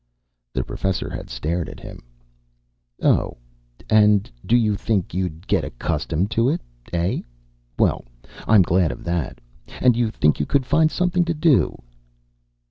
The Professor had stared at him. "Oh, you do think you'd get accustomed to it, eh? Well, I'm glad of that. And you think you could find something to do?"